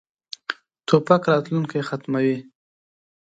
توپک راتلونکی ختموي.